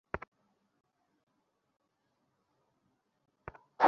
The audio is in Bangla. তবে ওবামার সঙ্গে ক্রুজের তফাত হলো—তিনি সত্যিই আমেরিকার বাইরে—কানাডায় জন্মগ্রহণ করেছেন।